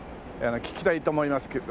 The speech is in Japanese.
聞きたいと思いますけど。